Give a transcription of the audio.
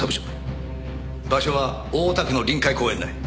場所は大田区の臨海公園内。